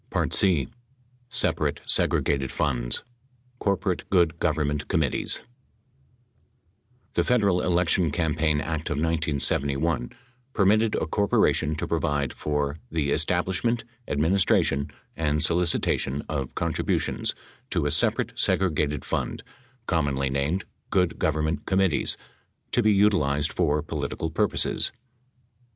C. Separate Segregated Funds: Corporate Good Government Committees The Federal Election Campaign Act of 1971 permitted a corporation to provide for "the establishment, administration, and solicitation of contributions to a separate segregated fund — commonly named 'good government committees' — to be utilized for political purposes."